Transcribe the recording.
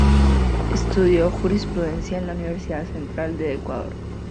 Estudió jurisprudencia en la Universidad Central de Ecuador.